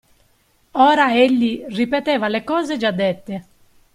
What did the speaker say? Ora egli ripeteva le cose già dette.